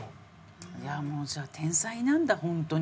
いやもうじゃあ天才なんだ本当に。